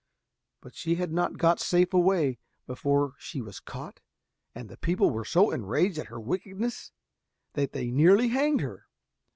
But she had not got safe away before she was caught and the people were so enraged at her wickedness that they nearly hanged her.